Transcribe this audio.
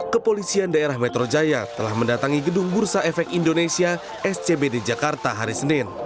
kepolisian daerah metro jaya telah mendatangi gedung bursa efek indonesia scbd jakarta hari senin